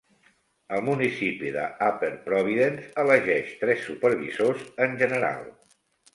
El municipi de Upper Providence elegeix tres supervisors en general.